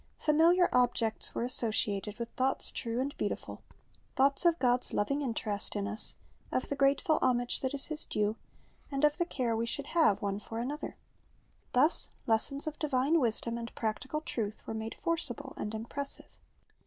Familiar objects tuere asso ciated with thoughts true and. beautiful, — thoughts of God's loving interest i)i us, of the grateful homage that is His due, and of the care zee should have one for anotJier. Thus lessons of divine zvisdom and practical truth were made forcible and impressive.